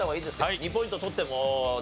２ポイント取ってもね